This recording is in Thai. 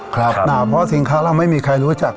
เพราะสินค้าเราไม่มีใครรู้จัก